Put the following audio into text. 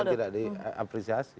ini juga diapresiasi